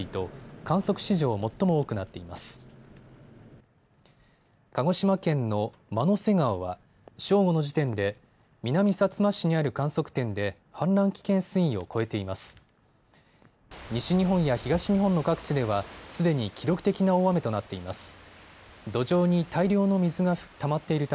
西日本や東日本の各地ではすでに記録的な大雨となっています。